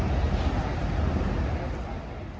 ไม่ได้